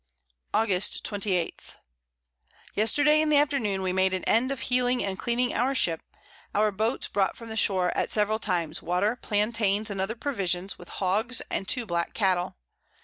August 28. Yesterday in the Afternoon we made an end of heeling and cleaning our Ship; our Boats brought from the Shore at several times Water, Plantains, and other Provisions, with Hogs, and 2 Black Cattle.